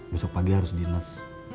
besok pagi harus dinas